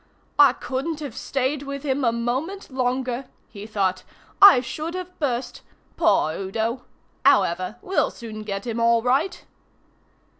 "I couldn't have stayed with him a moment longer," he thought. "I should have burst. Poor Udo! However, we'll soon get him all right."